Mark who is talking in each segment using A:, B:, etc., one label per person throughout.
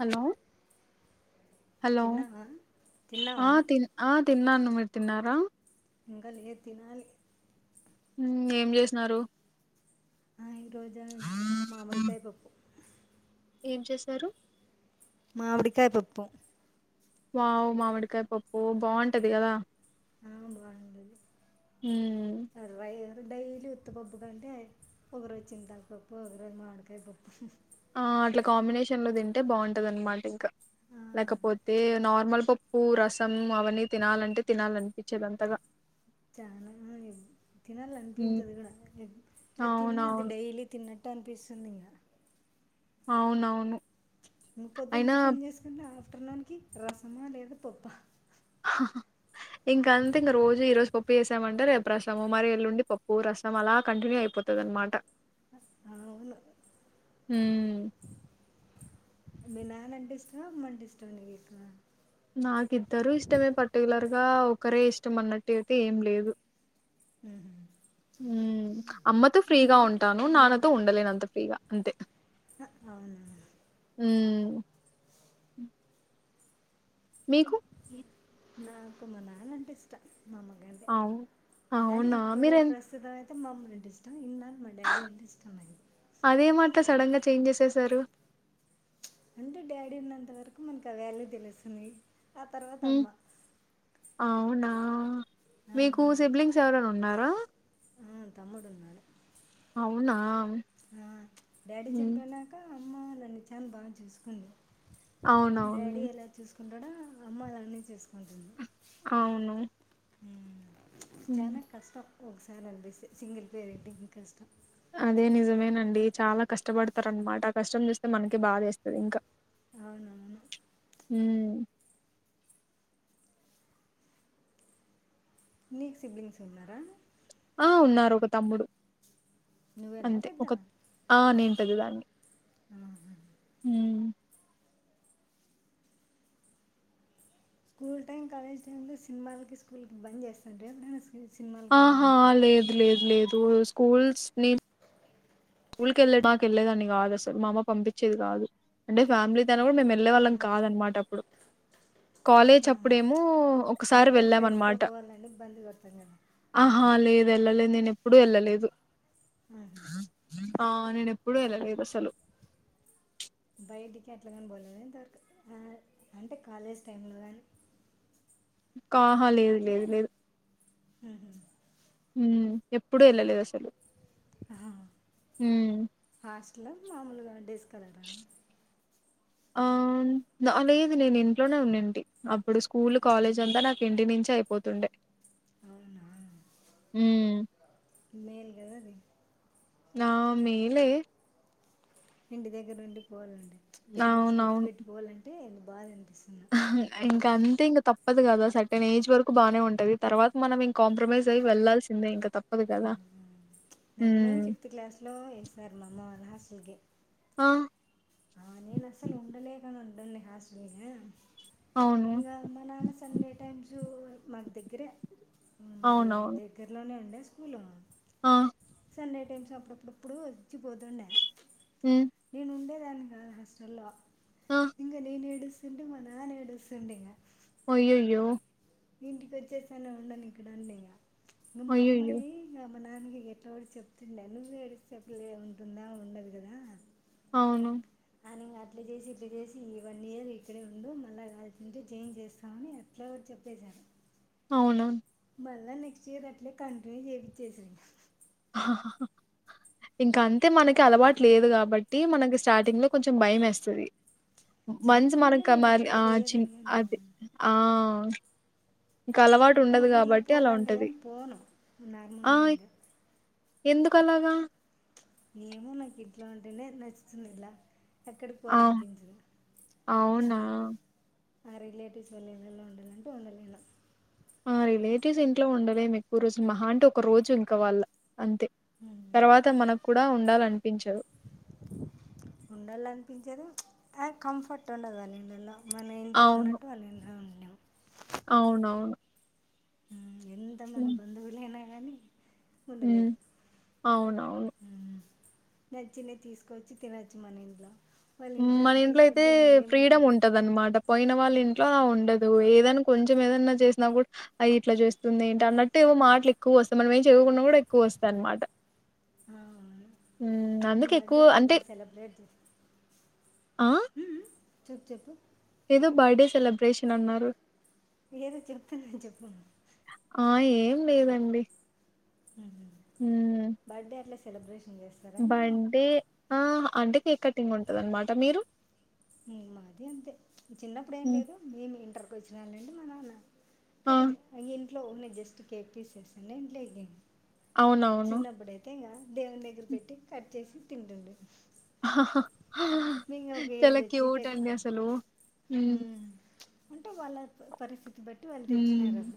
A: Hello hello
B: తిన్నావా తిన్నావా
A: ఆ తిన్ ఆ తిన్నాను మీరు తిన్నారా
B: ఇంగా లేదు తినాలి
A: ఉమ్ ఏం చేసినారు
B: ఆ ఈ రోజు మామిడి కాయ పప్పు
A: ఏం చేశారు
B: మామిడికాయ పప్పు
A: వావ్ మామిడికాయ పప్పు బాగుంటది కదా
B: ఆ బాగుండది
A: మ్
B: తర్వాయి డైలీ ఉత్త పప్పు కంటే ఒకరోజు చింతాకుపప్పు ఒక రోజు మామిడికాయ పప్పు
A: ఆ అట్లా కాంబినేషన్ లో తింటే బాగుంటది అన్మాట ఇంక
B: ఆ
A: లేకపోతే నార్మల్ పప్ ప్పు రసం అవన్నీ తినాలంటే తినాలనిపించదు అంతగా
B: చాలా ఉన్నాయి
A: మ్
B: తినాలనిపించదు కూడ ఇంగ తిన్న అది
A: అవునవును
B: డైలీ తిన్నట్ ట్ట అనిపిస్తుంది
A: అవునవును
B: ఇంక పొద్దున్
A: అయినా
B: టిఫిన్ చేసుకుంటే ఆఫ్టర్నూన్ కి రసమా లేదా పప్పా
A: ఇంకంతే ఇంగ రోజు ఈ రోజు పప్పు చేసామంటే రేపు రసము మరి ఎల్లుండి పప్పు ర రసం అలా కంటిన్యూ అయిపోతదన్మాట
B: అవును
A: ఊ
B: మీ నానంటే ఇష్టం అమ్మంటే ఇష్టం నీకు ఎక్కువ
A: నాకిద్దరు ఇష్టమే పర్టికులర్గా ఒకరే ఇష్టం అన్నట్టు అయితే ఏం లేదు ఉ అమ్మతో ఫ్రీగా ఉన్ టాను నాన్నతో ఉండలేను అంత ఫ్రీగా అంతే
B: అ అవును
A: ఊ మీకు
B: నాకు మా నాన్న అంటే ఇష్ట
A: అవ్ అవునా మీరెన్
B: తె మా అమ్మ అంటే ఇష్టం ఇన్న మా డాడీ అంటే ఇష్టమే
A: అదేమట్ల సడన్ గా చేంజ్ చేసేసారు
B: అంటే డాడీ ఉన్నంత వరకు మనకు ఆ వాల్యూ తెలుస్తుంది ఆ తర్వాత
A: హ్మ్
B: అమ్మ
A: అవునా మీకు సిబ్లింగ్స్ ఎవరైనా ఉన్నారా
B: ఉ తమ్ముడున్నాడు
A: అవునా
B: ఆ డాడీ
A: హ్మ్
B: చనిపోయినాక అమ్మ నన్ను చాన బాగా చూసుకుంది
A: అవునవును
B: కుంటడా అమ్మ అలనే చేసుకుంటుంది
A: అవును హ్మ్
B: చాలా కష్టం ఒకసారి అనిపిస్తే సింగిల్ పేరెంటింగ్ కష్టం
A: అదే నిజమేనండి చాలా కష్టపడతారనమాట కష్టం చూస్తే మనకే బాదేస్తది ఇంకా
B: అవునవును
A: హ్మ్
B: నీక్ సిప్లింగ్స్ ఉన్నారా
A: ఆ ఉన్నారు ఒక తమ్ముడు
B: నువ్వేనా
A: అంతే
B: పెద్ద
A: ఒక ఆ నిన్ పెద్ద దాన్ని
B: ఆహా.
A: మ్
B: స్కూల్ టైమ్ కాలేజ్ టైమ్ లో సినిమాలకి స్కూల్ కి బంద్ చేస్తారన్న ఎప్పుడన్నా
A: ఆహా లేదు లేదు లేదు స్కూల్స్ ని స్కూల్ కెళ్లేదాక ఏళ్ళేదాన్ని కాదు అసల్ మా అమ్మ పంపించేది కాదు అంటే ఫ్యామిలీ తె అన్న కూడా మేము వెళ్ళేవాళ్ళం
B: ఆహా.
A: కాదన్నమాట అప్పుడు కాలేజ్
B: ఆహా.
A: అప్పుడేమో ఒకసారి
B: అంటే
A: వెళ్ళాం
B: ఫ్రెండ్స్తో
A: అన్నమాట
B: పోవాలని బంద్ కొడతాం కదా
A: ఆహా లేదు వెళ్ళలేదు నేను ఎప్పుడు వెళ్ళలేదు
B: ఆహా.
A: ఆ నేను ఎప్పుడూ వెళ్ళలేదు అసలు
B: బయటికి ఎట్లాగాని పోలేదు ఎంతవరకు అంటే కాలేజ్ టైమ్లో కానీ
A: కాహా లేదు లేదు లేదు
B: హుమ్
A: మ్ ఎప్పుడు వెళ్ళలేదు అసలు
B: హా
A: ఉమ్,
B: హాస్టల మామూలుగా డేస్స్కలరా
A: ఆ లేదు నేను ఇంట్లోనే ఉన్నింటి అప్పుడు స్కూల్ కాలేజ్ అంతా నాకు ఇంటి నుంచే అయి పోతుండే
B: అవున
A: మ్
B: మేలు కద అది
A: ఆ మేలే
B: ఇంటి దగ్గర ఉండి పోవాలండి పేరెంట్స్ ని వదిలి విడిచి పెట్టి పోవాలంటేంత బాధనిప్
A: అ హ్ ఇంకా అంతే ఇంకా తప్ తప్పదు కదా సర్టెన్ ఏజ్ వరకు బానేంటది తర్వాత మనం కాంప్రమైజ్ అయి వెళ్లాల్సిందే ఇంకా తప్
B: నిన్ ఫిఫ్త్ క్లాస్ లో వేసారు మామ్మ వాళ్లు హాస్టల్ కి
A: ఆ!
B: టుంది హస్టల్ల
A: అవును.
B: ఇంగ మ నాన్న సండే టైమ్స్ స్కూల్ మాకు దగ్గరే మాది
A: అవునవును.
B: దగ్గరలోనే ఉండే స్కూల్
A: ఆ!
B: సండే టైమ్స్ అప్పుడప్పుడప్పుడు వచ్చిపోతుండే
A: హ్మ్.
B: ఉండే దాన్ని కాదు హాస్టల్లో
A: ఆ!
B: ఇంక నేను ఏడు స్తుంటే మ నాన్న ఏడు స్తుండే ఇగ
A: అయ్యయ్యో
B: ఇంటికి వచ్చేస్త నీను ఉండను ఇక్కడ ఇగ మ
A: అయ్యయ్యో!
B: అమ్మాయి దానికి ఎట్లాడి చెప్తుండే నువ్వేయ్ ఎడికి చెప్పలే ఉంటుందా ఉండదు కదా
A: అవును
B: అని అట్లా చేసి ఇట్లా చేసి ఈ వన్ ఇయర్ ఇక్కడే ఉండు మళ్ళా కావాలంటే చేంజ్ చేస్త అని ఏట్లో చెప్పేశాను
A: అవున
B: మళ్ళీ నెక్స్ట్ ఇయర్ అట్లే కంటిన్యూ చేపిచ్చేసాను
A: అ హ హ ఇంకా అంతే మనకి అలవాటు లేదు కాబట్టి మనకి స్టార్టింగ్ లో కొంచెం భయంఎస్తది మంత్స్
B: చిన్నప్పటి నుండి
A: మరక
B: నేను
A: మరి
B: ఎక్కడికి
A: ఆ చి
B: పోయేదాన్ని
A: అది
B: కానీ
A: ఆ ఇంక అలవాటు
B: ఎక్కడినా
A: ఉండదు
B: ఊర్ళకి
A: గాబట్టి అలా ఉంటది.
B: పాలంటేగాని పోను నార్మల్గ అండి
A: ఎందుకు అలాగా
B: ఎమో నాకు ఇట్లా ఉంటేనే నచ్చుతుంది ఇలా ఎక్కడికి
A: ఆ!
B: పోవాలనిపించదు
A: అవునా
B: ఆ రిలేటివ్స్ వెళ్లి వెళ్లాలంన్టే ఉండలేను
A: ఆ రిలేటివ్స్ ఇంట్లో ఉండలేము ఎక్కువ రోజులు మహా అంటే ఒక రోజు ఇంకా వాళ్ళ అంతే తర్వాత మనక్కూడా ఉండాలనిపించదు
B: ఉండాలంపించదు ఆ కంఫర్ట్ ఉండదు వాళ్ళైల్లాలో మన ఇంట్లో
A: అవును.
B: ఉన్నట్టు వాళ్ళింట్లో
A: అవునవును
B: ఎంత మన బంధువులైనా గానీ
A: ఉ అవునవును
B: నచ్చినది తీసుకొచ్చి తినచ్చు మన ఇంట్లో వాళ్ళ
A: మన
B: అట్లా
A: ఇంట్లో అయితే
B: తీసుకుంటే ఎన్ని
A: ఫ్రీడమ్
B: ఏమనుకుంటారు
A: ఉంటదాన్మాట పోయిన వాళ్ళ ఇంట్లో ఉండదు ఏదనా కొంచెం ఏదన్నా చేసినా కూడా అ ఇట్లా చేస్తుంది ఏంటి అన్నట్టే మాటలు ఎక్కువ వస్తా మనం ఏం చెయకున్నా కూడా ఎక్కువ వస్తా అనమాట
B: ఆ, అవును
A: ఉ
B: మీ
A: అందుకు
B: బర్త్డే
A: ఎక్కువు
B: అట్లా
A: అంటే
B: బాగా సెలబ్రేట్ చేస్తాం
A: ఆ
B: ఉమ్, చెప్పు చెప్పు
A: ఏదో బాడే సెలబ్రేషన్ అన్నారు
B: ఏదో చెప్తున్నాను చెప్ప
A: ఆ! ఏం లేదండి
B: బర్డే ఆట్లా సెలబ్రేషన్ చేస్తారా ఇంట్లో
A: బర్డే ఆ అంటే కేక్ కటింగ్ ఉంటది అనమాట మీరు
B: మాది అంతే చిన్నప్పుడు ఏం
A: హ్మ్.
B: లేదు మేము ఇంటర్ కి వచ్చిన నుండి మా నాన్న
A: ఆ
B: కటింగ్ ఆయింట్లో ఉన్నాయ్ జస్ట్ కేక్ తీసేసిన ఇంట్లోఎకండి
A: అవునవును
B: చిన్నప్పుడయితే ఇంకా దేవుని దగ్గర పెట్టి కట్ చేసి తింటుండు
A: హా హా
B: ఏజ్
A: చాలా
B: వచ్చి
A: క్యూట్
B: పెరి
A: అండి అసలు
B: ఉమ్, అంటే వాళ్ళ పరిస్థితి బట్టి వాళ్ళు తెచ్చినారు
A: హ్మ్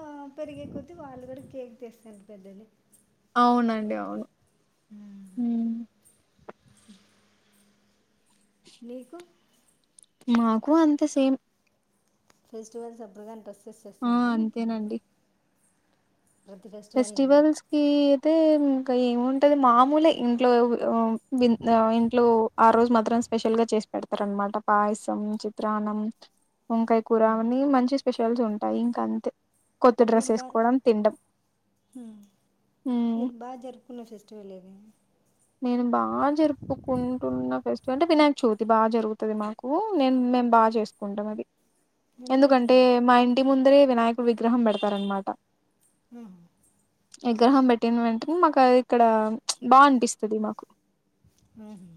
B: అబ పెరిగేపోతే వాళ్ళు కూడా కేక్ తీస్తారు పెద్దలే
A: అవునండి అవును
B: ఉమ్,
A: హ్మ్
B: నీకు
A: మాకు అంతే సేమ్
B: ఫెస్టివల్స్ అవ్వగానే డ్రెస్సెస్
A: ఆ
B: తెస్తానే నీకు ప్రతి ఫెస్టివల్కి
A: ఫెస్టివల్స్కి అయితే ఇంకా ఏముంటది మామూలే ఇంట్లో ఇంట్లో ఆ రోజు మాత్రం స్పెషల్గా చేసి పెడతారు అనమాట పాయసం చిత్రాన్నం వంకాయ కూర
B: ఉమ్,
A: అని మంచి స్పెషల్స్ ఉంటాయి ఇంకా అంతే కొత్త డ్రెస్ వేసుకోవడం తిండం
B: హ్మ్ మీరు బాగా జరుపుకున్న ఫెస్టివల్ ఏది
A: నేను బాగా జరుపుకుంటున్న ఫెస్టివల్ అంటే వినాయక్ చవితి బా జరుగుతది మాకు నేన్ మేం బా చేసుకుంటాం అది
B: అంటే ఎట్లా
A: ఎందుకంటే మా ఇంటి ముందరే వినాయకుడు విగ్రహం పెడతారనమాట
B: ఆ
A: విగ్రహం పెట్టిన వెంటనే మాకు ఇక్కడ బా అనిపిస్తది మాకు
B: ఉమ్,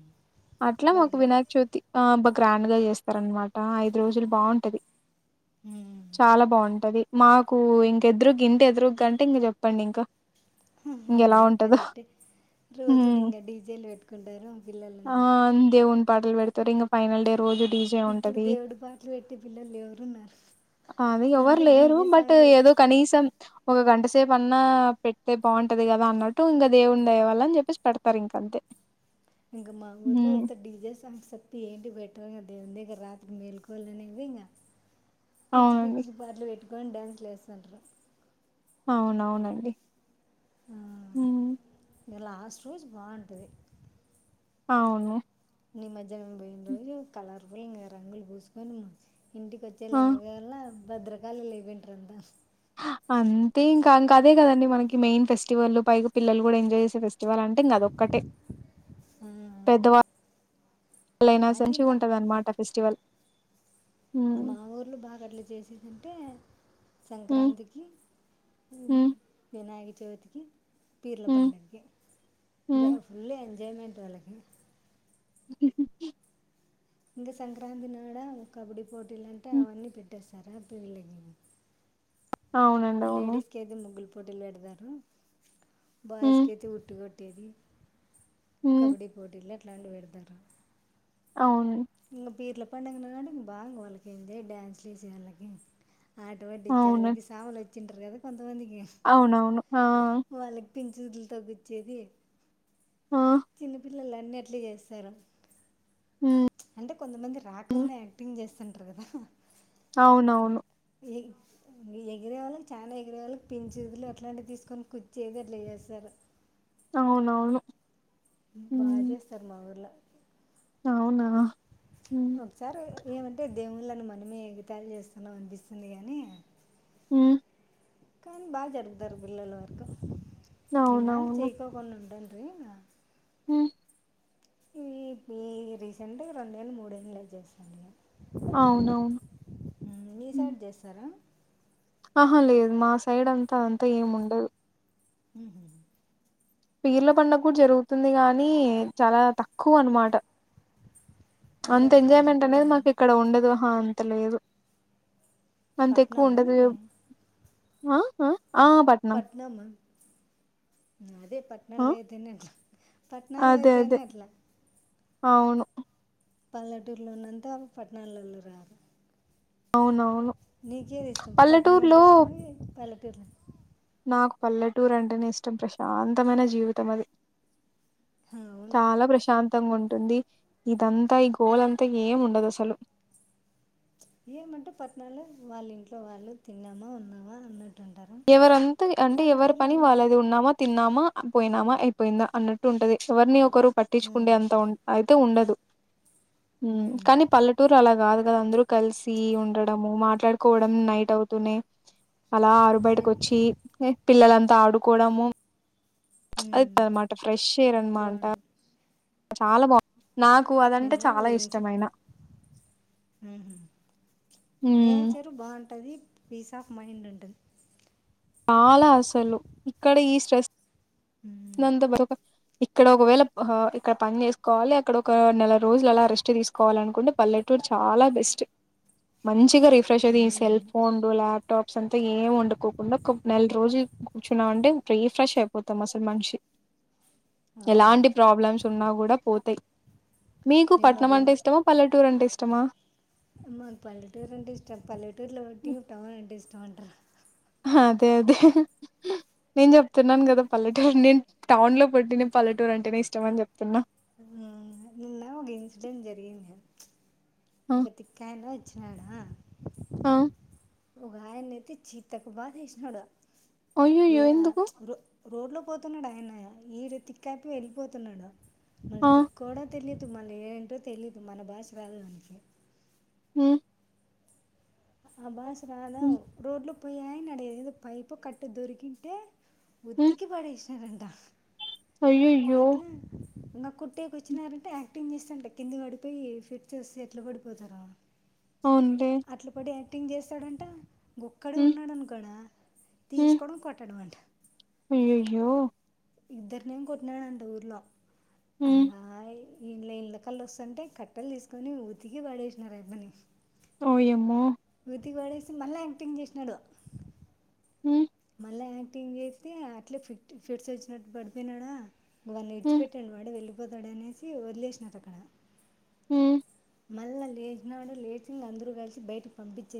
A: అట్లా
B: బాగా
A: మాకు
B: గ్రా-
A: వినాయక చవితి ఆ గ్రాండ్గా చేస్తారనమాట ఐదు రోజులు బాగుంటది
B: ఉమ్.
A: చాలా బాగుంటది మాకు ఇంగ ఎదురుగ ఇంటి ఎదురుంటే ఇంగ చెప్పండి ఇంకా ఇంకెలా
B: అడిగాని
A: ఉంటదో
B: కరెక్టే రోజుడు
A: హ్మ్
B: ఇంగ డీజేలు పెట్టుకుంటార పిల్లలంతా
A: పాటల్ పెడుతరు ఇంగ ఫైనల్ డే రోజు డీజే
B: ఇప్పుడు
A: ఉంటది
B: దేవుడి పాటలు పెట్టే పిల్లలు ఎవరున్నారు
A: అదిే ఎవరు
B: అంతా
A: లేరు
B: డీజే
A: బట్
B: సాంగ్లు పెట్టి
A: ఏదో కనీసం ఒక గంట సేపు అన్నా పెడితే బాగుంటది కదా అన్నట్టు ఇంగ దేవుని దయ వాళ్ళ అని చెప్పేసి పెడతారు ఇంకాంతే
B: ఇంకా మా ఊర్లో ఉత్త డీజే సాంగ్స్ తప్పింతే ఏంటి బట్టరుగ దేవుని దగ్గర రాత్రకి మేల్కోవలని ఇంగ పిచ్చి
A: అవునండి.
B: పిచ్చి పాటలు పెట్టుకు కోనీ డ్యాన్స్ లేస్తంటారు
A: అవునవునండి మ్
B: ఇగ లాస్ట్ రోజు బాగుంటది
A: అవును
B: నిమజ్జనం పోయిన రోజు కలర్ వి ఇంగ రంగులు పూసుకొని ఇంటికి
A: ఆ!
B: వచ్చేలోకల్ల భద్రకాలు అయిపోఇంటారంతా
A: అంతే ఇంకాంకా అదే కదండి మనకి మెయిన్ ఫెస్టివల్ పైగా పిల్లలు కూడా ఎజాయ్ చేసే ఫెస్ స్టివాలంటే ఇంగ అదొక్కటే పెద్దవా లైనా
B: అది బా
A: మంచిగుందన్నమాట ఆ ఫెస్టివల్ హ్మ్.
B: మా ఊర్ళ బాగా అట్లా చేసేదుంటే
A: హ్మ్.
B: సంక్రాంతికి
A: హ్మ్.
B: వినాయక చవితికి పీర్ల
A: హ్మ్.
B: పండగకి ఇంకా
A: హ్మ్.
B: ఫుల్ ఎంజాయ్మెంట్ వాళ్ళకి ఇంకా సంక్రాంతి నాడ కబడ్డీ పోటీలు అంటే
A: హ్మ్.
B: అవన్నీ పెట్టేస్తారా పిళ్ళలకి
A: అవునండి. అవును.
B: లేడీస్ కైతే ముగ్గులు పోటీలు పెడతారు బాయ్స్
A: హ్మ్.
B: కి అయితే ఉట్టు కొట్ కొట్టేది
A: హ్మ్.
B: కబడ్డీ పోటీల్లో ఎట్లాంటివి పెడుతారు
A: అవును.
B: ఇంగ పీర్ల పడుగ నాడు బాగ వాళ్ళకి ఎంది డ్యాన్స్ వేసే వాళ్ళకి ఆటపట్టించ్చే
A: అవును.
B: వాళ్ళకి సాములు వచ్చింటారు కదా కొం
A: అవునవును ఆ
B: పింజులతో గుచ్చేది
A: ఆ
B: పిల్లలు అన్నిట్లు చేస్తారు
A: హ్మ్
B: అంటే కొంతమంది రాకుండా యాక్టింగ్ చేస్ స్థంటర్ కదా
A: అవునవును
B: ఎం ఎగిరేవాళ్ళు చాలా ఎగిరేవాళ్ళుకు పించుదులు అట్లాంటివి తీసుకొని కుచ్చేది అట్లా చేస్తారు
A: అవునవును
B: బా
A: హ్మ్
B: చేస్తారు మా ఊర్ల
A: అవునా హ్మ్
B: వోగ్ సారి ఏవంటే దేవుళ్ళని మనమే ఎగ్ తాల్ చేస్తున్నాం అన్ పిస్సుంది గానీ
A: ఉమ్
B: కానీ బా జర్పుతరు పిల్లలు వర్క్ ఇన్నాళ్
A: అవునవును
B: చేయ్ కోకుండన్ రీనా
A: ఉమ్
B: ఈ పీ రీసెంటుగ్ రోనేళ్లు మూడేన్ లైతై జెస్సమిగ
A: ఔనా ఉమ్
B: మీ సైడ్ చేస్తారా
A: ఆహా లేద్ మా సైడంతా అంతా ఏం ఉండదు
B: ఉమ్
A: పీర్ల పండగ్ గుడ్ జర్గుతుంది గానీ చాలా తక్కువనుమాట
B: అంటే
A: అంత ఎంజాయ్ మెంట్ అనేది
B: కలిసిపోరేం కదా
A: మాకిక్కడ ఉండదు హ అంత లేదు అంత
B: పట్నమా మీది
A: ఎక్కువుండాదివ్ ఆ ఆ పట్నం
B: పట్నమా అదే పట్నమ్
A: ఆ
B: లైతేనె పట్నలైతే అట్లా
A: ఔను
B: పల్లెటూర్లో ఉన్నంత అ పట్నలోలు రారు
A: ఔనౌవును
B: నీకేదిష్టం పట్నం అంటే ఇష్టమా ఏ పల్లెటూర్
A: నాక్ పల్లెటూరాంటేనే ఇష్టం ప్రశాంతమైన జీవితం అది
B: అవును
A: చాలా ప్రశాంత్ తంగుంటుంది ఇదంతా ఈ గోలంతా ఏం ఉండదు అస్సలు
B: ఏమంటే పట్ నంలో వాళ్ళింట్లో వాళ్ళే తిన్నామా ఉన్నామా అన్నట్
A: ఎవరంతది అంటే ఎవర్ పని
B: అంతా
A: వాళ్ళదు ఉన్నామా తిన్నామ్ మా ఆ పోయినామా ఐపేయిందా అన్నట్టు ఉంటది ఎవర్ని ఒకరు
B: "ఉమ్,
A: పట్టించుకుండేంత్ ఉన్ ఐ తూ ఉండదు ఉమ్ కానీ పల్లెటూరు అలా గాదు గా అంద్రు కల్సి ఉండడము మాట్లాడుకోడం నైట్ ఔతూనే అలా
B: నిన్-
A: ఇంటికొచ్చి హ్ పిల్లలంతా ఆడుకోడము ప్చ్
B: ఉమ్,
A: ఐదైమాట ఫ్రెష్ ఎయిర్ అన్ మాట
B: బాగుంటుంది
A: చాలా బా నాకు అదంటే చాలా ఇష్టమైన
B: హ
A: ఉమ్,
B: నేచర్ బాఉంటది పీస్ ఆఫ్ మైండ్ ఉంటుంద్
A: బాలే అసలు ఇక్కడ ఈ స్ట్రెస్ దాంతో బారోకా ఇక్కడ ఒక్ వేళ ఆహా ఇక్కడ పన్ జేసుకోవాలి అక్కడ ఒక నెల రోజులు అలా రేస్టు త్రిస్ కోవలన్ కుండు పల్లెటూర్ చాలా బెస్టు మంచ్ తీగ రీఫ్రెషరీ సెల్
B: అవునవును
A: ఫోన్ ల్ ల్యాప్ టాప్స్ అంతా ఏం వొండుకోకుండా ఒక్ నెల్ రోజుల్ కూచ్చున్నావంటే రీ ఫ్రెష్ ఐపోతాం మస్ అల్ మన్షి ఎలాంటి
B: అవునవును
A: ప్రాబ్లమ్స్ ఉన్నా కూడా పోతాయి మీకు
B: నిన్న ఒక
A: పట్నమంటే ఇష్టమా పల్లెటూరాంటే ఇష్టమా
B: మాక్ పల్లెటూరంటే ఇష్టం పల్లెటూరులో ఒట్టిగుంటవై ఏంటి ఇష్టవంట్రా
A: హ అదే అదే హ్ నేన్ జేప్ తున్నాన్
B: అన్-
A: గద పల్లెటూర్ నిన్ టౌన్ లో పుట్టిన పల్లటూరాంటేనే ఇష్టమన్ జేప్ తున్నా
B: ఆ నీన్న వింగ్ స్టన్ జరిగింది ప్చ్ ఒక తీక్యానోద్ ఓచ్చినాడా ఒగాయ్ నైతే చితక్ బగేష్ నౌరా గే
A: అయ్యోయ్యో
B: యా
A: ఎందుకు
B: ప్చ్ రో రోడ్లో పోతున్నాడు ఆయన ఈడ తిక్కపి వెళ్ళిపోతున్నాడు మళ్ళీ
A: ఆ
B: తిక్కోడో తెలిదు మల్ ఏంటో తెలిదు మన భాష రాదు ఆయనకి
A: ఉ
B: మన భాష రాదా
A: ఉమ్
B: రోడ్లో పోయే ఆయన ఆడ ఏదో పైపో కట్టో దొరికింటే
A: హ్మ్
B: ఉత్తికి పడేసినారంట
A: అయ్యయ్యో
B: ఇంగ కొట్టేకి వచ్చినారంటే యాక్టింగ్ చేస్తాంటే కింద పడిపోయి ఫిట్స్ వస్తే ఎట్ల పడిపోతారు
A: అవునులే
B: యాక్టింగ్ చేస్తాడంట గొక్కడే
A: హ్మ్
B: ఉన్నాడనుకొ ఆడ
A: హ్మ్
B: తీసుకోవడం కొట్టడం అంట
A: అయ్యయ్యో
B: ఇద్దరినేమో కోట్నాడంట ఊర్లో
A: ఉ
B: ఇంకా ఇండ్ల ఇండ్ల కల్ళ వస్తుంటే కట్టెలు తీసుకొని ఊతికి పడేసినారు అయ్యప్పకి
A: ఓ యమ్మో
B: ఉతికి పడేస్తే మళ్ళ యాక్టింగ్ చేసినాడు
A: హ్మ్
B: మళ్లా యాక్టింగ్ చేస్తే అట్లే ఫిట్ ఫిట్స్ వచ్చినట్టు పడిపోయినాడా ఇంగ వాళ్ళు విడిచి
A: హ్మ్
B: పెట్టండి వాడే వెళ్ళిపోతాడు అనేసి వదిలేసినాడు అక్కడ
A: హ్మ్
B: మళ్ళా లేచినాడు లేచి ఇంగ అందరూ కలిసి బయటకి పంపించే